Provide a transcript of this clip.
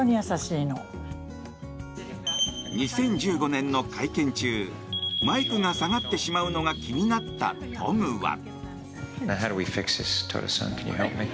２０１５年の会見中マイクが下がってしまうのが気になったトムは。